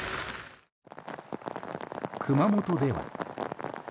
熊本では。